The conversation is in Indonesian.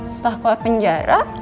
setelah keluar penjara